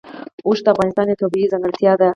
اوښ د افغانستان یوه طبیعي ځانګړتیا ده.